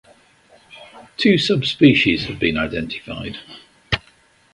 Two subspecies have been identified.